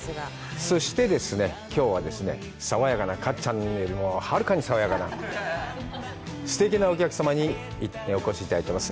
そしてですね、きょうは爽やかなかっちゃんよりもはるかに爽やかなすてきなお客様にお越しいただいています。